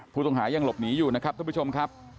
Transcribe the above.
ผู้ต้องหายังหลบหนีอยู่นะครับท่านผู้ชมครับ